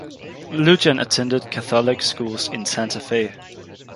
Lujan attended Catholic schools in Santa Fe.